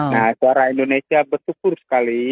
nah suara indonesia bersyukur sekali